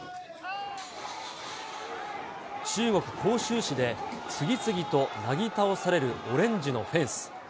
中国・広州市で次々となぎ倒されるオレンジのフェンス。